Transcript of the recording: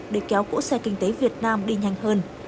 để kéo cỗ xe kinh tế việt nam đi nhanh hơn